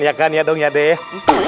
ya kan ya dong ya deh